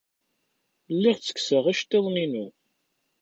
Lliɣ ttekkseɣ iceḍḍiḍen-inu.